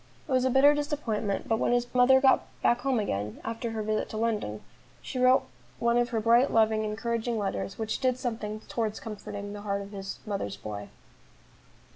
It was a bitter disappointment; but when his mother got back home again after her visit to London, she wrote one of her bright, loving, encouraging letters, which did something towards comforting the heart of this "mother's boy."